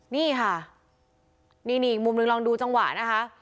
นี่ค่ะนี่มุมนึงลองดูจังหวะนะคะ